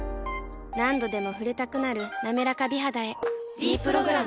何度でも触れたくなる「なめらか美肌」へ「ｄプログラム」